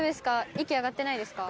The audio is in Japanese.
息上がってないですか？